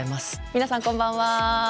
皆さんこんばんは。